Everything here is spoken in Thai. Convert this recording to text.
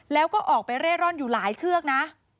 แล้วก็ออกไปเร่ร่อนอยู่หลายเชือกนะ